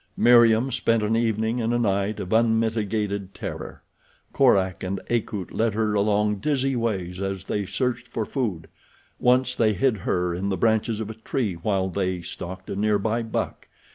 Meriem spent an evening and a night of unmitigated terror. Korak and Akut led her along dizzy ways as they searched for food. Once they hid her in the branches of a tree while they stalked a near by buck.